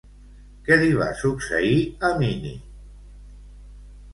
Què li va succeir a Mini?